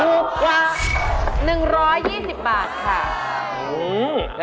ถูกกว่า๑๒๐บาทค่ะ